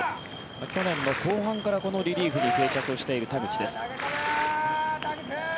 去年の後半からリリーフに定着している田口です。